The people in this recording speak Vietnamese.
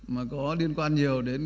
mà có liên quan nhiều đến